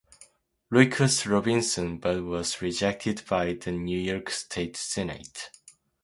Lucius Robinson, but was rejected by the New York State Senate.